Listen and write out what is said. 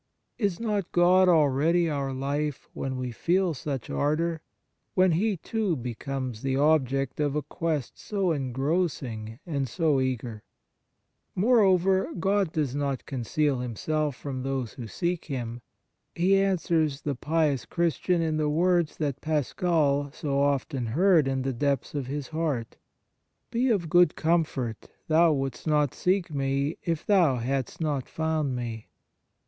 Is not God already our life when we feel such ardour, when He, too, becomes the object of a quest so engrossing and so eager ? Moreover, God does not conceal Himself from those who seek Him. He answers the pious Christian in the^words that Pascal so often heard in tne depths of his heart :" Be of good comfort ; thou wouldst not seek Me, if thou hadst not found Me